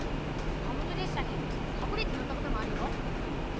貨物列車に隠れて乗ったこともあるよ。